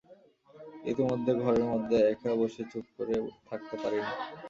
ইতিমধ্যে ঘরের মধ্যে একা বসে চুপ করে থাকতে পারি নে।